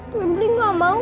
febri gak mau